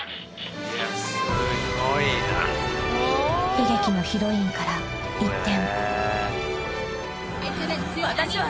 ［悲劇のヒロインから一転］